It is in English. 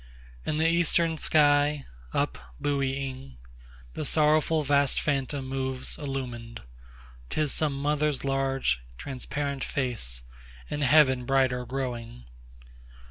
7In the eastern sky up buoying, The sorrowful vast phantom moves illumin'd;('Tis some mother's large, transparent face, In heaven brighter growing.)